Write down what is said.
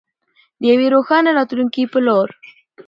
د یوې روښانه راتلونکې په لور.